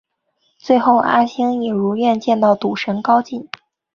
最后阿星也如愿见到赌神高进。